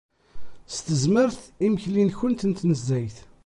S tezmert imekli-nwent n tnezzayt.